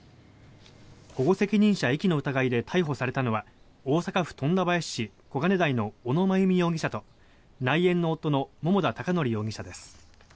保護責任者遺棄の疑いで逮捕されたのは大阪府富田林市小金台の小野真由美容疑者と内縁の夫の桃田貴徳容疑者です。